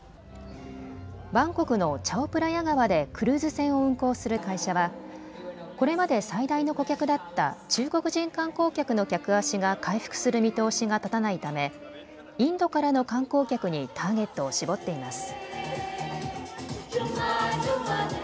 バンコクのチャオプラヤ川でクルーズ船を運航する会社はこれまで最大の顧客だった中国人観光客の客足が回復する見通しが立たないため、インドからの観光客にターゲットを絞っています。